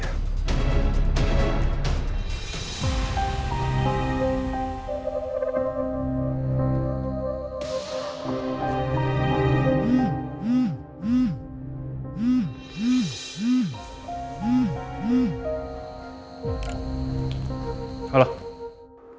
aku harus tanya langsung sama dia